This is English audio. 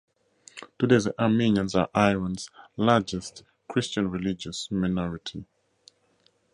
Today the Armenians are Iran's largest Christian religious minority.